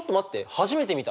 初めて見た。